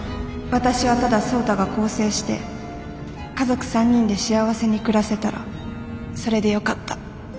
「私はただ創太が更生して家族３人で幸せに暮らせたらそれでよかった。